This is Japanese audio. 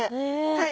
はい。